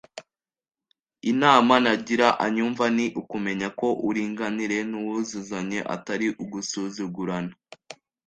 Inama nagira anyumva ni ukumenya ko uuringanire n’uwuzuzanye atari ugusuzugurana